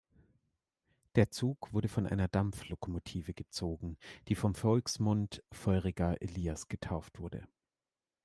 Der Zug wurde von einer Dampflokomotive gezogen, die vom Volksmund „Feuriger Elias“ getauft wurde.